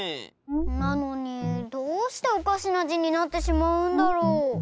なのにどうしておかしなじになってしまうんだろう。